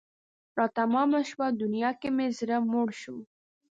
را تمامه شوه دنیا که مې زړه موړ شو